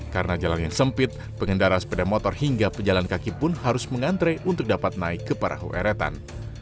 karena jalan yang sempit pengendara sepeda motor hingga pejalan kaki pun harus mengantre untuk dapat naik ke perahu eretan